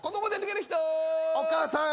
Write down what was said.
お母さん。